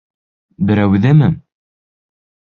— Берәүҙеме?